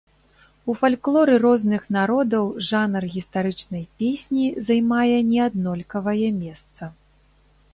У фальклоры розных народаў жанр гістарычнай песні займае неаднолькавае месца.